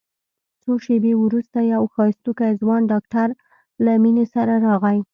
څو شېبې وروسته يو ښايستوکى ځوان ډاکتر له مينې سره راغى.